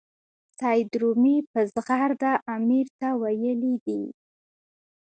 سید رومي په زغرده امیر ته ویلي دي.